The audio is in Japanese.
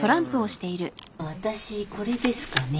私これですかね。